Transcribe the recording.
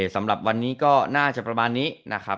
สำหรับวันนี้ก็น่าจะประมาณนี้